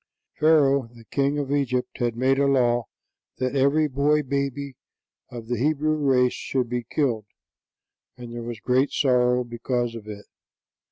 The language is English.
Pharaoh, the King of Egypt, had made a law that every boy baby of the Hebrew race should be killed, and there was great sorrow because of it.